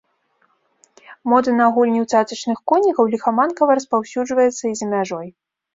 Мода на гульні ў цацачных конікаў ліхаманкава распаўсюджваецца і за мяжой.